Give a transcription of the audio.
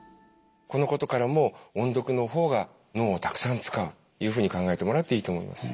このことからも音読のほうが脳をたくさん使うというふうに考えてもらっていいと思います。